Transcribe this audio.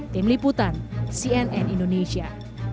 tim liputan cnn indonesia